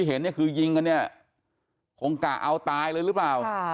เห็นเนี่ยคือยิงกันเนี่ยคงกะเอาตายเลยหรือเปล่า